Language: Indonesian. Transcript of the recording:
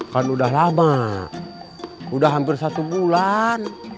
kan udah lama udah hampir satu bulan